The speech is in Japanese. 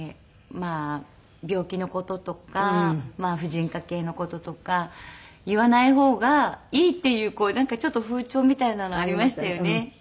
まあ病気の事とかまあ婦人科系の事とか言わない方がいいっていうちょっと風潮みたいなのありましたよね。